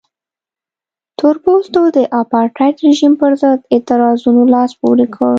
تور پوستو د اپارټایډ رژیم پرضد اعتراضونو لاس پورې کړ.